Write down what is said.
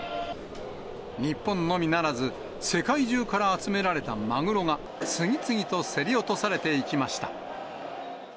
日本のみならず、世界中から集められたマグロが、次々と競り落とされていきました。